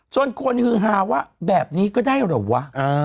จนคนฮือฮาว่าแบบนี้ก็ได้เหรอวะ